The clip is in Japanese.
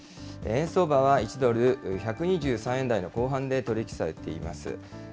円相場は１ドル１２３円台の後半で取り引きされています。